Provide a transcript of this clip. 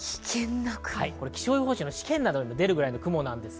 気象予報士の試験などにも出るような雲です。